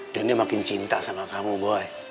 dan dia makin cinta sama kamu boy